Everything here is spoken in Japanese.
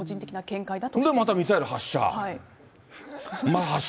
で、またミサイル発射。